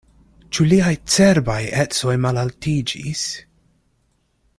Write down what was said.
Ĉu liaj cerbaj ecoj malaltiĝis?